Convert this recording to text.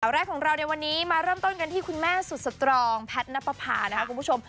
แรกของเราในวันนี้มาเริ่มต้นกันที่คุณแม่สุดสตรองแพทย์นับประพานะครับคุณผู้ชม